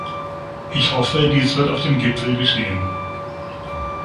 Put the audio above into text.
Ich hoffe, dies wird auf dem Gipfel geschehen.